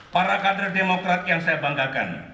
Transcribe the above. para kader demokrat yang saya banggakan